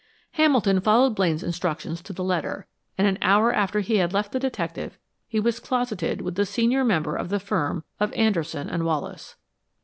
Hamilton followed Blaine's instructions to the letter, and an hour after he had left the detective he was closeted with the senior member of the firm of Anderson & Wallace.